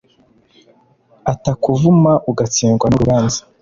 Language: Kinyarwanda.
atakuvuma ugatsindwa n urubanza